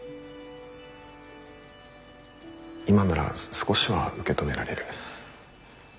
今なら少しは受け止められる。